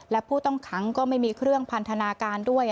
และผู้ต้องขังก็ไม่มีเครื่องพันธนาการด้วย